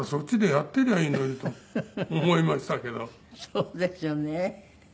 そうですよね。